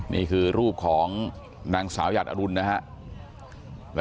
นี่คือรูปของนางสาวหยัดอรุณนะฮะ